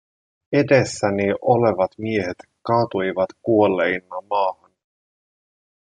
Edessäni olevat miehet kaatuivat kuolleina maahan.